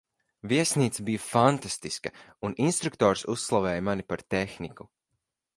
Viesnīca bija fantastiska, un instruktors uzslavēja mani par tehniku.